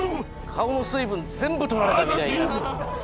顔の水分全部取られたみたいな。